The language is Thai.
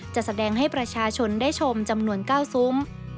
จะแสดงให้ประชาชนได้ชมจำนวน๙ซุ้ม